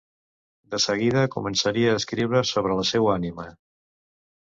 De seguida començaria a escriure sobre la seua ànima.